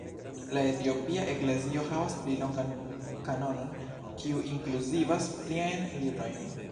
La etiopia eklezio havas pli longan kanonon kiu inkluzivas pliajn librojn.